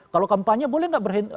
kalau kampanye boleh nggak berhenti